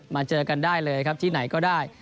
เจอกันได้เลยครับที่ไหนก็ได้